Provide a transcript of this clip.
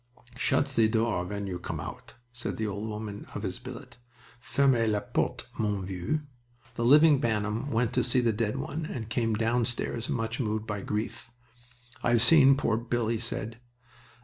"Shut ze door ven you come out," said the old woman of his billet. "Fermez la porte, mon vieux." The living Bantam went to see the dead one, and came downstairs much moved by grief. "I've seed poor Bill," he said.